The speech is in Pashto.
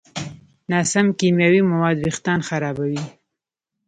ناسم کیمیاوي مواد وېښتيان خرابوي.